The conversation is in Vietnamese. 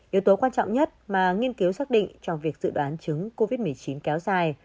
yếu tố quan trọng nhất mà nghiên cứu xác định cho việc dự đoán chứng covid một mươi chín kéo dài